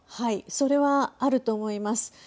それは、あると思います。